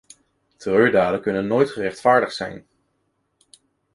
Terreurdaden kunnen nooit gerechtvaardigd zijn.